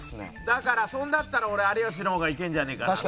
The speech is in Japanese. だからそれだったら俺有吉の方がいけるんじゃねえかなと。